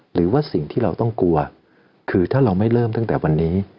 หรือว่าสิ่งที่เราต้องกลัวคือถ้าเราไม่เริ่มตั้งแต่วันนี้